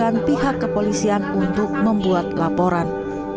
kami juga meminta pihak kepolisian untuk membuat laporan